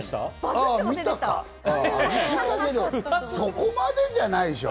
見たけど、そこまでじゃないでしょ。